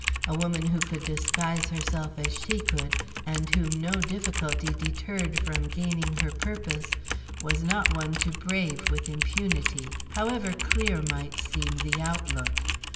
A woman who could disguise herself as she could, and whom no difficulty deterred from gaining her purpose, was not one to brave with impunity, however clear might seem the outlook.